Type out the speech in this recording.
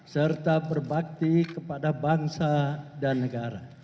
serta berbakti kepada bangsa dan negara